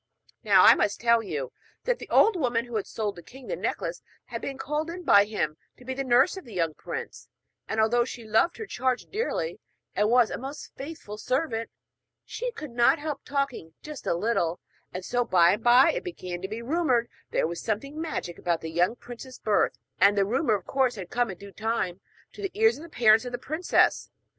Now, I must tell you that the old woman who had sold the king the necklace had been called in by him to be the nurse of the young prince; and although she loved her charge dearly, and was a most faithful servant, she could not help talking just a little, and so, by and by, it began to be rumoured that there was some magic about the young prince's birth; and the rumour of course had come in due time to the ears of the parents of the princess.